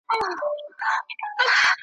بېلوبېلو بادارانوته رسیږي `